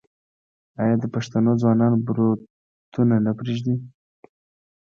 آیا د پښتنو ځوانان بروتونه نه پریږدي؟